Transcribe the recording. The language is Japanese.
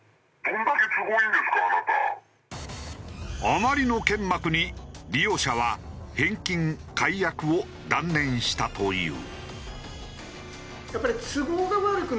あまりの剣幕に利用者は返金・解約を断念したという。